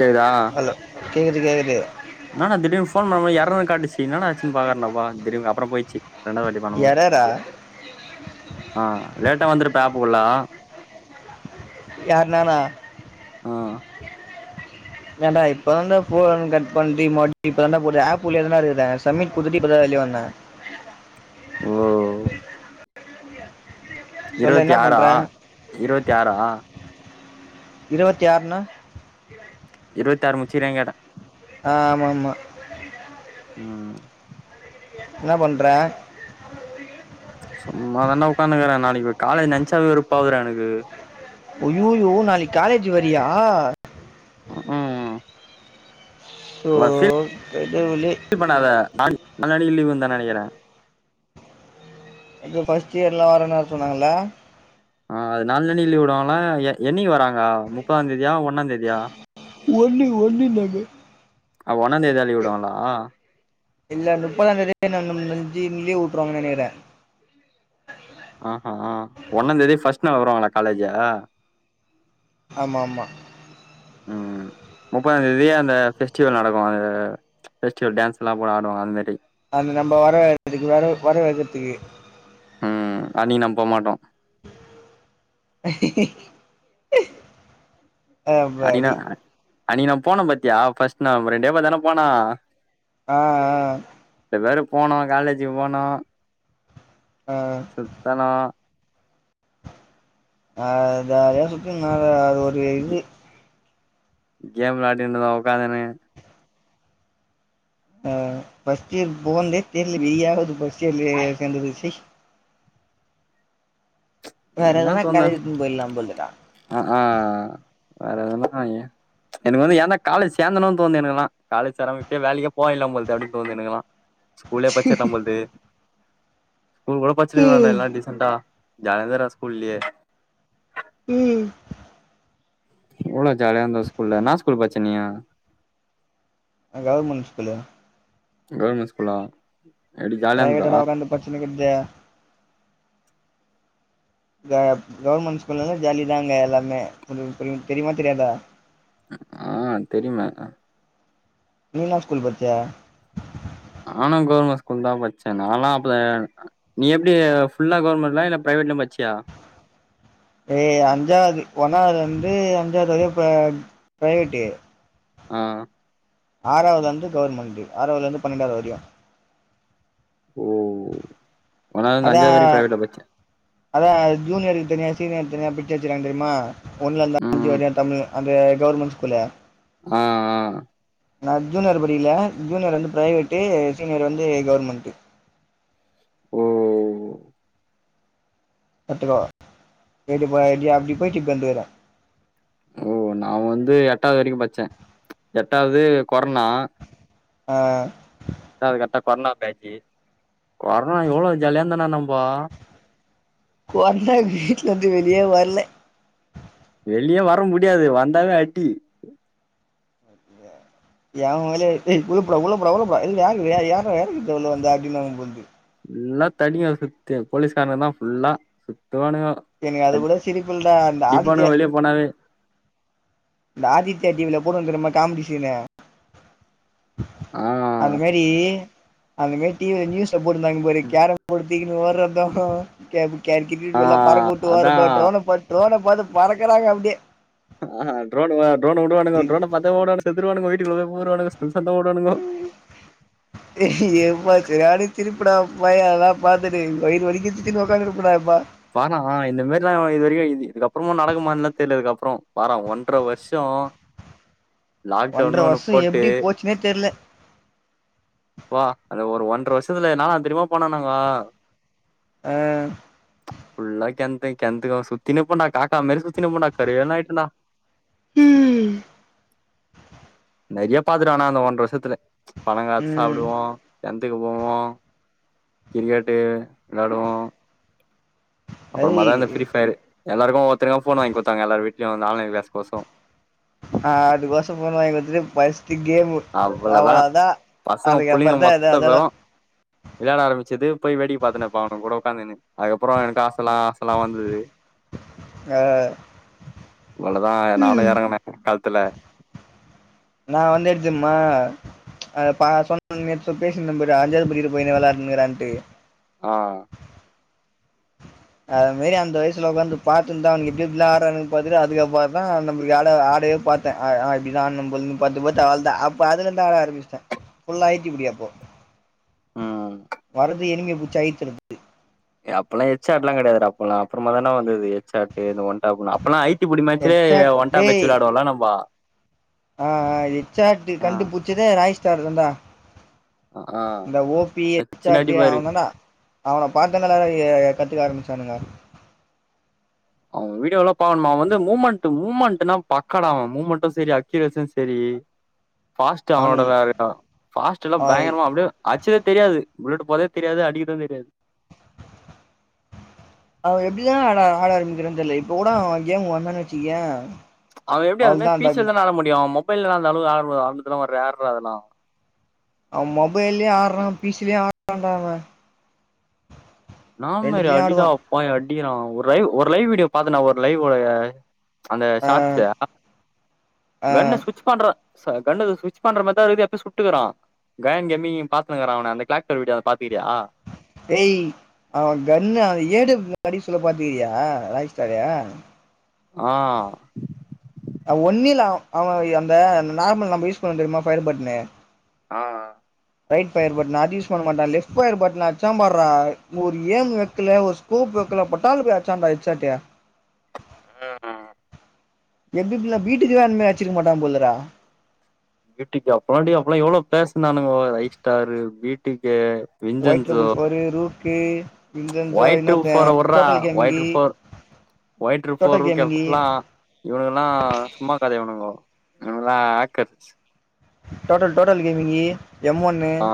கேக்குதா ஹலோ கேக்குது கேக்குது என்னாடா திடீர்னு ஃபோன் பண்ணும் போது ஏரர்ன்னு காட்டுச்சு என்னாடா ஆச்சு பாக்றனாப்பா திடிர்னு அப்புறோ போயிற்ச்சு ரெண்டாவதுவாட்டி பண்ணும்போது எரரா ஆ லேட்டா வந்துருப்ப ஆப்புக்குள்ள யார் நானா ஆ ஏன்டா இப்பதான்டா ஃபோன் கட் பண்டி [unintelligible] இப்பதான் போது ஆப் உள்ளயே தான்டா இருக்குறே சமிட் குடுத்துட்டு இப்போ தா வெளிய வந்தே ஓ சொல்லு இருவத்தி ஆறா இருவத்தி ஆறா இருவத்தி ஆறுன்னா இருவத்தாறு முச்சீரங் கேட்ட ஆ ஆமா ஆமா ம் என்ன பண்ற சும்மா தான்டா உட்காட்டுக்குறே நாளைக்கி காலேஜ் நெனச்சாலே வெறுப்பாகுதுடா எனக்கு ஐய்யாயோ நாளைக்கி காலேஜ் வறியா ம் ஓ ஃபீல் கடவுளே [unintelligible] பண்ணாத நாளைக் நாளனைக்கு லீ்வு தா நெனைக்கிறே இப்போ ஃபர்ஸ்ட்டியர்லா வரேன்னு வேற சொன்னாங்கள ஆ அது நால்னாலைக்கி லீவ்வுடுவாஙக்ளா எ என்னைக்கி வராங்க முப்பதாந்தேதியா ஒன்னாந்தேதியா ஒன்னு ஒன்னுனாங்க ஆ ஒன்னாந் தேதிதா லீவு உடுவாங்களா இல்ல முப்பதா தேதியே [unintelligible] லீவு விட்டுருவாங்கனு நெனைக்கிறே ஆ ஹா ஒன்னா தேதியே ஃபர்ஸ்ட் நாள் வருவாங்களா காலேஜ் ஆமாமா ம் முப்பதாம் தேதி அந்த ஃபெஸ்டிவல் நடக்கு அந்த ஃபெஸ்டிவல் டான்ஸ்ல்லா கூட ஆடுவாங்க அந்த மேரி அந்த நம்ப வரவேற்க்குறதுக்கு வர வரவைக்கறதுக்கு ம் அன்னிக்கு நம்ம போக மாட்டோ அஹு அன்னைக்கி நா அன்னைக்கி நா போன பத்தியா ஃபர்ஸ்ட் நாள் ரெண்டே பேர் தான போனோ ஆ ஆ எல்லாரு போனோ காலேஜி போனோ ஆ சுத்தனு ஆ ஜாலிய சுத்திர்தனோ அது ஒரு இது கேம் வெளையாடிந்தோ உட்காந்துனு ஆ ஃபஸ்ட்டியர் போன்தே தெர்ல வியாகது ஃபஸ்ட்டியர்ல செந்தது சீ வேற என்னா எதனா தோணுதுன் காலேஜ்க்கு போயிடலா போலடா ஆ ஆ வேற எதனா எனக்கு வந்து ஏந்தா காலேஜ் செந்தனும்னு தோனுது எனக்குலா காலேஜ் சேராமா வேலைக்கே போயடாலா பொழுது அப்படின்னுட்டு தோணுது என்னக்கலா ஸ்கூலே படிச்சிடலா பொழுது ஒங்கூட படிச்சிருக்கலா டா ம் எல்லா டிசண்டா ஜாலிய இருந்தே ஸ்கூல்லலயே உம் எவ்ளோ ஜாலியா இருந்தோ ஸ்கூல்ல என்ன ஸ்கூல் பச்ச நீ கவர்மெண்ட் ஸ்கூல் கவர்மெண்ட் ஸ்கூலா எடி தா பிரைவேட்ட உட்கந்து படிச்சினு இருக்குதே கவர்மெண்ட் ஸ்கூல்லந்து ஜாலி தாங்க எல்லாமே தெரியுமா தெரியாதா ஆ தெரியும நீீ என்ன ஸ்கூல் படிச்ச நானும் கவுர்மெண்ட் ஸ்கூல் தா பச்சேன் நாலா அப்ப நீ எப்படி ஃபுல்லா கவர்மெண்ட்லா இல்ல பிரைவேட்ல படிச்சியா ஏ அஞ்சாவது ஒன்னாவது வந்து அஞ்சாவது வரைக்கு பிர்ரைவேட்டு ஆ ஆறாவது வந்து கவர்மெண்ட் ஆறாவதுல இருந்து பன்னெண்டாவது வரையு ஓ ஒன்னாவதுலருந்து அதா அஞ்சாவது வரைக்கு பிரைவேட்ல பச்சே அதா ஜூனியருக்கு தனிய சீனியருக்கு தனியா பிர்ச்சிவச்சுகாங்க தெரியுமா ஒன்ல இருந்த அஞ்சு ம் வரையா தமிழ் அந்த கவுவர்மெண்ட் ஸ்கூல ஆ ஆ நா ஜூனியர் படிக்கல ஜூனியர் வந்து பிரைவேட்டு சீனியர் வந்து கவர்மெண்ட்டு ஓ பத்து ரூபா இப்படி போ அப்படி போயட்டு இப்படி வந்திருக்க ஓ நா வந்து எட்டாவது வரைக்கு பச்சேன் எட்டாவது கொரோனா ஆ எட்டாவது கரெக்ட் கொரோனா பேட்ச் கொரோனா எவ்வளவு ஜலிய தானா நம்போ கொரோனா வீட்ல இருந்து வெளியே வரல வெளியே வர முடியாது வந்தாவே அடி அப்படியா எ மேலே ஏ உள்ளப் போடா உள்ள போட உள்ள போட இருயார வேறக்கு வந்த யாரா கேட்டு உள்ள வந்த அப்படின்னு போல இருக்கு புல்லா தடிய சுத்தி போலீஸ்காரன் தா ஃபுல்லா சுத்தவானு எனக்கு அது கூட சிரிப்புளதா அந்த ஆதி போனவே இந்த ஆதித்யா டிவில போடுவா தெரியுமா காமடி சீன்நே ஆ அது மாதரி அந்த மாதிரி டி வில நியூஸ் போட்டுந்தாங்க பாரு கேரம் போ தூக்கிட்டு ஓடுறது கே கிரிக்கெட் பால்ல பறக்க விட்டு அதா ஓடுறது டரோன ப ட்ரோன் பாத்து பறக்கறாங்க அப்படியே ஆ ட்ரோன் விடுவானுங்க டரோன பாத்த ஓடுவாங்க செத்துருவானங்க வீட்டுக்கு குள்ள போய் பூர்வாங்க சந்து சந்தா ஓடுவானுங்க எப்பா சரியான சிரிப்பு டா எப்பா அதல்லா பார்த்தட்டு வயிறு வலிக சிரிச்சிட் உடக்கானு இருப்படாப்பா வெண்ணா இந்த மாதிரி எல்லாம் இது வரைக்கும் இது இதுக்கப்புறமா நடக்குமால்லா தெரியதுக்கு அப்புறம் வாரா ஒன்றர வருஷம் லாக்டவுன்னு ஒன்னு போட்டு னே தெர்ல வா அது ஒரு ஒன்ற வருஷத்துல என்னான்ன தெரிமா பண்ணோ நாங்க ஆ ஃபுல்லா கென்தே கென்தே சுத்தினு இருப்போண்டா காக்கா மேரி சுத்தினு இருப்போண்டா கரேர்னு ஆயிட்டண்டா நெறைய பாத்துட்டுனா அந்த ஒன்ற வருஷத்துல பழ ம் சாப்டுவோ கெண்த்துக்கு போவோ கிரிக்கெட்டு விளாடுவோ அது அப்றமாதா இந்த ப்ரீஃபர் எல்லாருக்கு ஒவ்வொருத்தருக்கு ஃபோன் வாங்கி குடுத்தாங்க எல்லார் வீட்லயு இந்த ஆன்லைன் க்ளாஸ் கொசரு ஆ அதுக்கொசர ஃபோன் வாங்கி குடுத்துட்ட்டு பஸ்ட்டு கேமு அவ்ளதா அவ்ளோதா பசங்க புள்ளைங்க அதுக்கப்றோ தா எது மொத்த அதெல்லா பேரு வெளாயட ஆரம்பச்சது போய் வேடிக்க பாத்துனுப்ப அவனுக கூட உட்காந்துனு அதுக்கப்புற எனக்கு ஆசலா ஆசலா வந்துது ஆ அவ்வளதா நானு ம் எறங்குனே களத்துல இந்தா வந்துடுச்சமா அ ப சொன்ன பேசிருந்த பாரு அஞ்சாது படிக்கிற பையனே விளாண்டுக்குறான்ட்டு ஆ அது மேரி அந்த வயசுல ஒக்காந்து பாத்துர்ந்தா அவுனுங் எப்டி எப்டிலா ஆடுறானுங்னு பாத்துட்டு அதுக்கப்புறதா நம்ம ஆடறதே பாத் தே அ அப்டிதாம் பொழுது பாத்து பாத்து அவ்வள்தா அப்ப அதுல இருந்து அ ஆரம்பிச்டே ஃபுல்லா அழுத்தி புடி அப்போ ம் வரது எனிமிய பூடிச்சி அழுத்து அப்பெல்லா எச் ஆர்லா கெடையாதுடா அப்பல்லா அப்றமாதான வந்தது எச் ஆர்ட்ட இந்த ஒன் டாப்லா அப்பெல்லா ஐ டிப்புடி மேச்சிலே ஹெட்ஷாட் ஒண்டாப் வச்சி டேய் விளாடுவோல்ல நம்ம ஆ ஆ எச் ஆர் டி கண்டு புடிச்சதே ராயஸ்தார் தாண்டா ஆ இந்த ஓ பி எச் வெச்சுனு ஆர் டி அடிப்பாரு ஆகுனடா அவன பாத்தங்களரேயே கத்துக்க ஆரம்பிச்சானுங்க அவ வீடியோல்லா பாக்கணுமா அவ வந்து மூமெண்ட் மூமெண்ட்னா பக்காடா அவ மூமெண்ட்டு செரி அக்கீரஷு செரி ஃபாஸ்ட் அவனோட அவனுக்கு வேறல்லா ஃபாஸ்ட்லா அவ பயங்கரமா அப்டியே ஆச்சுதா தெரியாது புள்ளட்டு போறதே தெரியாது அடிக்குறது தெரியாது அவ எப்டிதா ஆட ஆட ஆரம்பிக்கிறா தெர்ல இப்ப கூட அவ கேமு வந்தான்னு வச்சுக்கோயே அவ எப்டி அதுமாறி பீச்லதான ஆட முடியு மொபைல்லா அந்தளவு ஆடலா ஆட்றதுலா ரேர்டா அதலா அவ மொபைல்யே ஆட்றா பீச்லயு ஆட்றாண்டா அவ ன்னாமாரி ரெண்டுத்துலயு அடிதா ஆடுவா அப்பா அடிகிறா ஒரு லைவ் ஒரு லைவ் வீடியோ பாத்தன்டா ஒரு லைவு அந்த ஆ ஷார்ட்ஸ் அ ஆ கண்ண சுவிட்சச் பண்ற கண்ணு சுவிட்சச் பண்ற மாரிதா இருக்குது எப்பய சுட்டுக்கறா கயன் கெமி பாத்துங்கறா அவன அந்த க்ளக்டர் வீடியாவ பாத்துக்கிறியா ஏய் அவ கன்னு ஏடு கடி சொல்ல பாத்துக்கியா ராய்ஸ்டாரு ஆ ஒன்னில அவ அந்த நார்மல் நம்ம யூஸ் பண்ற தெரியுமா ஃபயர் பட்டன்னு ஆ ரைட் ஃபயர் பட்டன் அது யூஸ் பண்ண மாட்டா லெஃப்ட் ஃபயர் பட்டன அடிச்சா பார்றா ஒரு ஏம் வக்கல ஒரு கூப் வக்கல பட்டால்னு போய் அச்சான்டா எச் ஆர்டயே ஆ எப்டி எப்டிலா வீட்டுக்குலா ஒன்னுமே வச்சிருக்க மாட்டா போலறா வீட்டுக்கா பாண்டிய அப்பல்லா எவ்ளோ பேஸ்னானுங்க லைப் ஸ்டாரு வீட்டுக்கு வொயிட்றபுள் ஃபோர் ரூக்கு விஞ்சன்சோ ஒயிட் இன்னொருத்த ட்ரிபிள் ஃபோர வுர்றா டோட்டல் கேமிங்கி ஒய்ட்ரு ஃபோர் ஒயிட்ரு டோட்டல் ஃபோர் கேமிங்கி கேப்லா இவனுங்கெல்லா சும்மா கதைவனுங்கோ இவனுங்கெல்லா ஆக்கர்ஷ் டோட்டல் டோட்டல் கேமிங்கி எம் ஒன் ஆ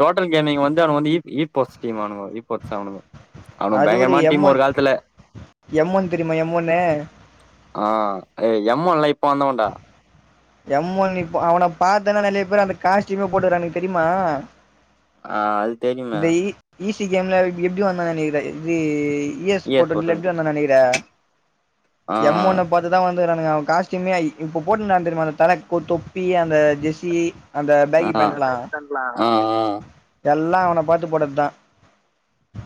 டோட்டல் கேமிங்கி வந்து அவனுங்க வந்து இ இபோஸ்ட்ங்குவானுங்கோ இபோஸ்ட் அவனுங்க அவனுங்க அது ஒரு பயங்கரமான எம் டீம் ஒன் காலத்துல எம் ஒன் தெரியுமா எம் ஒன்னு ஆ எம் ஒன்ல்லா இப்ப வந்தவன்டா எம் ஒன் இப்போ அவன பாத்தன்னா நெறையா பேர் அந்த காஸ்டியூமே போட்டுவரனுங்க தெரியுமா ஆ அது தெரியுமே இந்த இ ஈசி கேம்ல எப்டி வந்தானுங்க நெனைக்கிற இது இ எஸ் போட்ட பிளாட் என்ன நெனைக்கிற ஆ எம் ஒன்ன பாத்து அதுதா வந்துக்றாங்க அவ காஸ்டூமே இப்ப போட்டுனா தெரியுமா அந்த தலக்கு ஒரு தொப்பி அந்த ஜெஸி அந்த பேகி ஆ பேண்ட்லா ஆ எல்லா அவன பாத்து போட்டது தா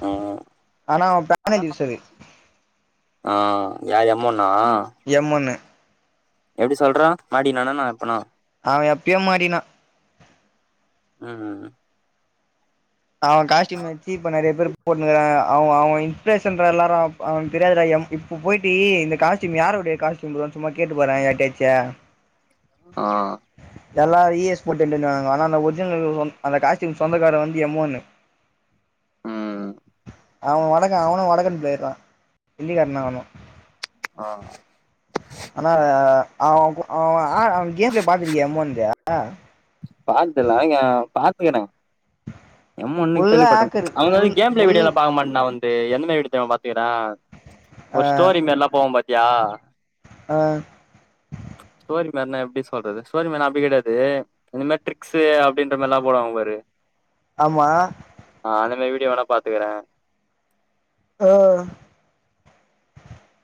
ஆ ஆனா அவ பேனல் யூசரு ஆ யாரு எம் ஒன்னா எம் ஒன்னு எப்டி சொல்றா மர்டி நதானா அனுப்புனு அவ எப்யோ மாட்டிங்னா ம் ம் அவ காஸ்டியூம் வச்சு நெறைய பேரு போட்னு இருக்காங்க அவ அவ இன்ஸ்பிரேஷன் பேர் எல்லாரு ஆ தெரியாதுடா எம் இப் இப்ப போயிட்டு இந்த காஸ்ட்யூம் யாரோட காஸ்ட்யூம் ப்ரோ சும்மா கேட்டு பாறே யார்ட்டாச்ச ஆ எல்லா இ எஸ் போட்டுட்டுன்னாங்க ஆனா நா ஒர்ஜினல் ல் அந்த காஸ்ட்யூம் சொந்தக்கார வந் எம் ஒன்னு ம் அவ வடக்க அவனு வடகன் போயிறா இந்திக்காரத அவனு ஆ ஆ ஆனா அவோ அவோ ஆ கேம்ப்பிளே பாத்திருக்கிய எம் ஒன்த பாத்தில்லா யா பாத்ன்கிறே எம் ஒன்னு ஃபுல்லா கேள்விப்பட்டேங் ஹேக்கரு அவங்க வந்து ஃபுல் கேம்பிளே ஃபுல் வீடியோலா பாக்க மாட் நா வந் ஏ எந்த மாரி [unintelligible] பாத்தியாடா ஆ ஒரு ஸ்டோரி மாரில்லா போவோ பாத்தியா ஆ ஸ்டோரி மாரினா எப்டி சொ ல்றது ஸ்டோரி மாரினா அப்டி கெடையாது இந்த மாரி டிரிக்ஸ்சு அப்டின்ற மாரில்லா போடுவாங்க பாரு ஆமா ஆ அந்த மாரி வீடியோ வேணா பாத்துக்கிறே ஆ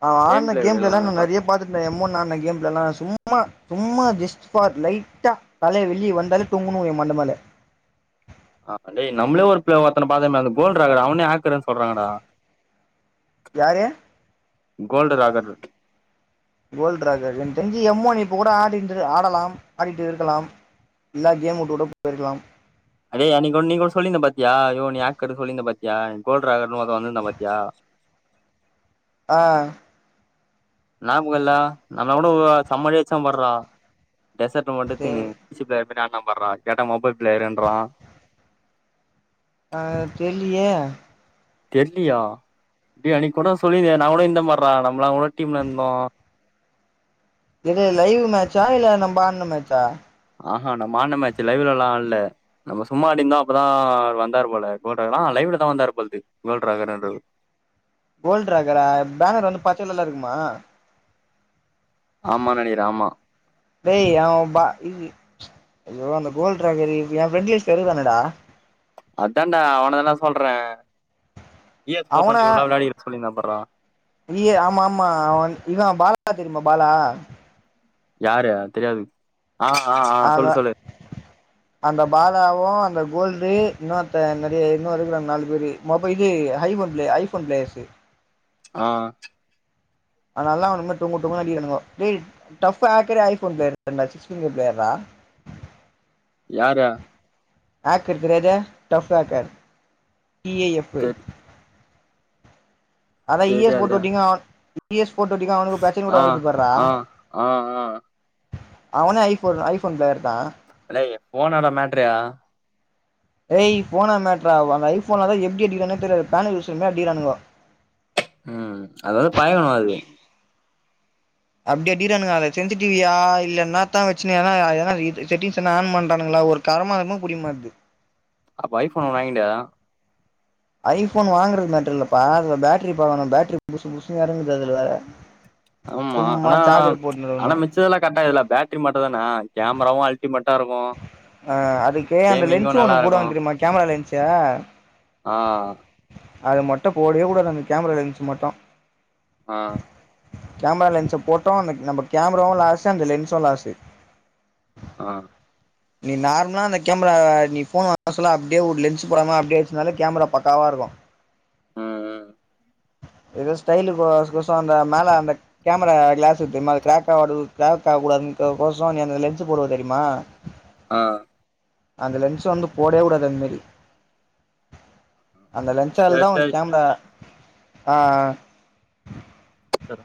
அவ கேம் ஆட்ன பிளே வீடியோலா கேம்லல்லா வேணா நா நெறைய பாத்துக்கறே பாத்து ந்தே மூணான கேம்லல்லா சும்மா சும்மா ஜஸ்ட் பார் லைட்டா கால்லே வெளிய வந்தாலே தொங்குணு விழு ஏ மண்ட மேலே ஆ டேய் நம்ளே ஒருப்பிளே ஒருத்தனப் பாத்தமே அந்த போல்றா இருக்குறா அவனே ஆக்டரு சொல்றாங்கடா யாரு கோல்டு ராகர் போல்ட்றாருக்கரு என்க் தெரிஞ்சு எம் ஒன்ன இப்ப கூட ஆடிட்டு ஆடலாம் ஆடிட்டு இருக்கலாம் இல்லாட்டியும் உட்டுட்டு போயிருக்கலாம் அறே அன்னைக்கொன் நீங்க சொல்லிந்த பாத்தியா யோ நீ ஹேக்கரு சொல்லிந்த பாத்தியா நீ கோல்டிராக்கர்னு ஒருத்த வந்திருந்தா பாத்தியா ஆ நாப்புக்கல்லா நம்ம கூட செம்மடி அச்சா பாருறா டெசர்ட் மட்டு தெ எடுத்துனு டிஸ்ப்ளே எப்படி காட்றா பாருடா கேட்டா மொபைல் ப்ளேயர்ன்றா ஆ தெர்லியே தெர்லியா டேய் அன்னைககூட நா சொல்லிருந்தே நா கூட இந்த பார்ரா நம்பளா கூட டீம்ல இருந்தோ எது லைவ் மேச்சா இல்ல நம்ப ஆடுன மேச்சா ஆ நம்ம ஆடுன மேச்சு லைஃவ்லலா ஆட்ல நம்ம சும்மா அடிந்தா அப்பதா வந்தாரு போல கோல்லா லைவ்லதா வந்தாரு போல்து கோல்ராகருன்றவரு கோல்டிராகரா பேனர் வந்து பச்ச கலர்ல இருக்குமா ஆமா நெனைக்கிற ஆமா டேய் ஆ பா ய்ய அய்யோ அந்த கோல்ட்ராகரு எ ஃபெண்ட் லிஸ்ட்ல இருக்காரானேடா அதான்டா அவனெல்லா சொல்றே இ எஸ் போர் டொண்டி [unintelligible] விளையாடி சொல்லிருந்தான்ப் பார்றா விரியே ஆமா ஆமா இதா பாலா தெரியுமா பாலா யாரு தெரியாது ஆ ஆ ஆ சொல்லு அவ சொல்லு அந்த பாலாவு அந்த கோல்ரி இன்னொருத்த என்னது இன்னு இருக்கிறாங் நாலு பேரு மொபை இது ஐஃபோன் ப்ளே ஐஃபோன் பிளேஸு ஆ அது நல்லா வரும்போடொங்கு டவங்குனு அடிக்கிறாங்கோ ஏ டப் ஆக்கரே [unintelligible] யார ஆக்கர்க்கிறேடு டஃப் ஆக்கர் டி ஏ எப்பு தெ அதா இ எஸ் தெரியாது போட்டுட்டிங்னா இ எஸ் போட்டு விட்டிங்கா அவனுக்கு பிரச்சனை கூட ஆ வந்துட்டு பாறா ஆ ஆ ஆ அவனே ஐபோன் ஐபோன் பிளையர் தா அல்லேய் போன் ஆடா மேட்ரு ஏய் போனா மேட்ரா அந்த ஐபோன்லா எப்டி அடிக்கிறானே தெரியாது பேலே யூஸர்னே அடிக்குறானுங்கோ ம் அது வந்து பயக்கணு அது அப்படி அடிறானுங்க அத சென்சடிவியா இல்லன்னத்தா வச்சு ஏதனா எதனா செட்டிங்ஸ் என்ன ஆன் பண்றானுங்களா ஒர்க் கரமாலுமே புடிக்மாது அப்ப ஐபோன் வாங்கிட்டயா ஐபோன் வாங்கறது மேட்டரில்லபா அதுல பேட்டரி பண்ணணு பேட்டரி புசு புசு எறங்குது அதுல ஆமா சும்மா ஆனா சார்ஜர் போட்டுனு ஆனா இருக்கணு மெச்சு மித்ததலா கரட்டா இருக்குல பேட்டரி மட்டுந்தான கேமராவு அழ் க மெட்டாருக்கு ஆ அதுக்கு அந்த லென்சு நல்லா ஒண்ணு இருக்கு போடுவாங்க தெரிமா கேமரா லென்சு ஆ அது மட்டு போடவே கூடாது அந்த கேமரா லென்ஸ் மட்டு ஆ கேமரா லென்ஸ போட்டோ அந்த நம்ம கேமராவு லாசு அந்த லென்ஸு லாசு ஆ நீ நார்மலா அந்த கேமராவ நீ போனு வாங்க சொல்ல அப்டியே ஒரு லென்ஸ் போடாம அப்டியே வச்சதுனாலே கேமரா பக்காவா இருக்கு ம் ம் ஏதோ ஸ்டைலு கோ கொச கொச அந்த மேல அந்த கேமரா க்ளாஸ்க்கு தெரியுமா அது க்ராக் ஆகாது க்ராக் ஆக கூடாது கோச நீ அந்த லென்ஸ் போடுவ தெரியுமா ஆ அந்த லென்சு வந்து போடவே கூடாது அந் மேரி அந்த லென்ஸால தா சேர் உன் சேரி கேமரா ஆ சர